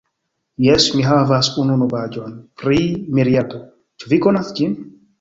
Jes, mi havas unu novaĵon pri Miriado. Ĉu vi konas ĝin?